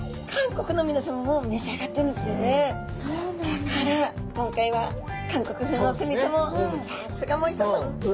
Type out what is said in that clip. だから今回は韓国風の酢みそもさすが森田さんですね。